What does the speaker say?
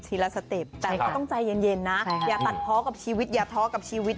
แต่ก็ต้องใจเย็นนะอย่าตัดเพาะกับชีวิต